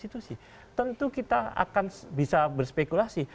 tentu kita akan bisa berspekulasi